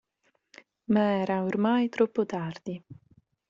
Ma era, ormai, troppo tardi.